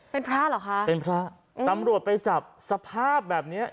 เป็นพระเหรอคะเป็นพระตำรวจไปจับสภาพแบบเนี้ย